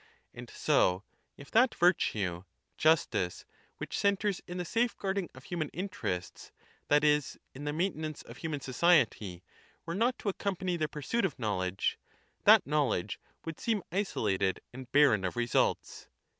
And so, if that virtue [justice] justicemorfe which centres in the safeguarding of human inter wudom and'' ests, that is, in the maintenance of human society, Fortitude. were not to accompany the pursuit of knowledge, that knowledge would seem isolated and barren of results.